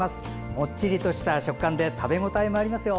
もっちりとした食感で食べ応えもありますよ。